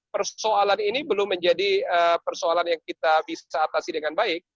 persoalan ini belum menjadi persoalan yang kita bisa atasi dengan baik